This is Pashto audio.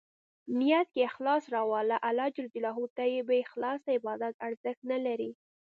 نیت کې اخلاص راوله ، الله ج ته بې اخلاصه عبادت ارزښت نه لري.